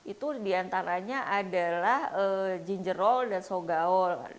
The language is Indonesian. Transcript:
itu diantaranya adalah jinjerol dan sogaol